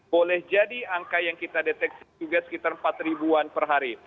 boleh jadi angka yang kita deteksi juga sekitar empat ribu